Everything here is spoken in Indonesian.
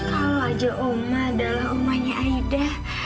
kalau aja oma adalah omanya aida